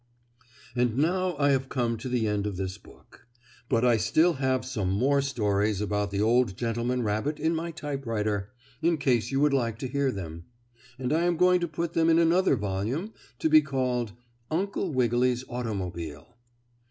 And now I have come to the end of this book. But I still have some more stories about the old gentleman rabbit in my typewriter, in case you would like to hear them. And I am going to put them in another volume to be called "Uncle Wiggily's Automobile."